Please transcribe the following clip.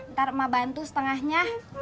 ntar emak bantu setengahnya